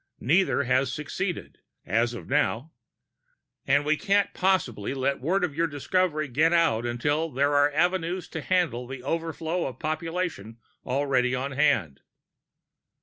"Neither has succeeded, as of now. And we can't possibly let word of your discovery get out until there are avenues to handle the overflow of population already on hand."